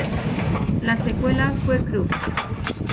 La secuela fue Crux.